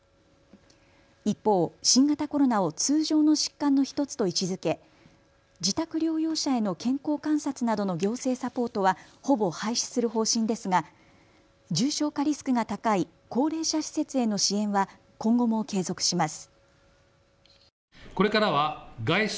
一方、新型コロナを通常の疾患の１つと位置づけ自宅療養者への健康観察などの行政サポートはほぼ廃止する方針ですが、重症化リスクが高い高齢者施設への支援は今後も継続します。